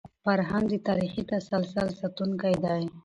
فرهنګ د تاریخي تسلسل ساتونکی دی.